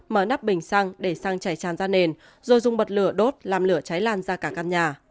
mở nắp bình xăng để xăng chảy tràn ra nền rồi dùng bật lửa đốt làm lửa cháy lan ra cả căn nhà